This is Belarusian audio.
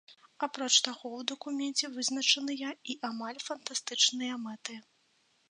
Апроч таго, у дакуменце вызначаныя і амаль фантастычныя мэты.